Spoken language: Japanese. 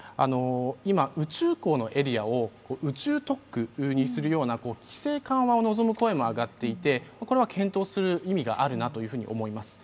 今、宇宙港のエリアを宇宙特区にするような規制緩和を望む声もあって、これは検討する意味があるなと思います。